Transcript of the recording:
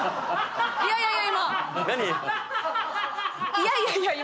いやいやいや今。